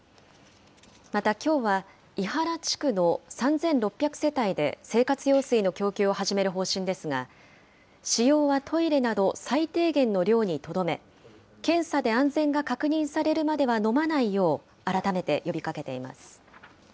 またきょうは、庵原地区の３６００世帯で、生活用水の供給を始める方針ですが、使用はトイレなど、最低限の量にとどめ、検査で安全が確認されるまでは飲まないよう、改めて呼びかけています。